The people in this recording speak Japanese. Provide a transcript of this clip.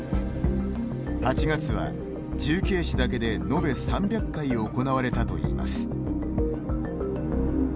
８月は、重慶市だけで延べ３００回行われたといいます。